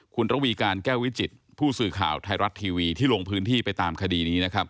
คุณระวีการแก้ววิจิตผู้สื่อข่าวไทยรัฐทีวีที่ลงพื้นที่ไปตามคดีนี้นะครับ